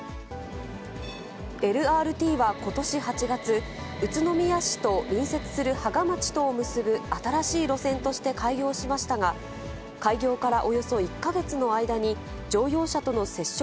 ＬＲＴはことし８月、宇都宮市と隣接する芳賀町とを結ぶ新しい路線として開業しましたが、開業からおよそ１か月の間に、乗用車との接触